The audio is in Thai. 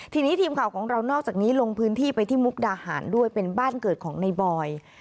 ทีนี้ทีมข่าวของเรานอกจากนี้ลงพื้นที่ไปที่มุกดาหารด้วยเป็นบ้านเกิดของในบอย